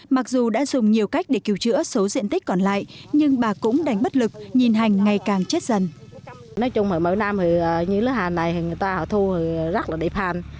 mặc dù đã dùng nhiều cách để cứu chữa số diện tích còn lại nhưng bà cũng đánh bất lực nhìn hành ngày càng chết dần